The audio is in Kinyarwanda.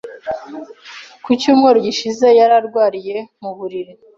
Ku cyumweru gishize, yari arwariye mu buriri.